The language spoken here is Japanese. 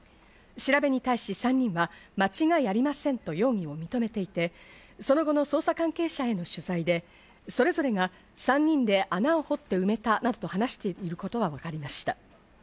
調べに対し、３人は間違いありませんと容疑を認めていて、その後の捜査関係者への取材で、それぞれが３人で穴を掘って埋めたなどと話していることがわかりました。